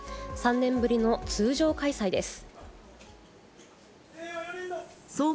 ３年ぶりの通常開催です。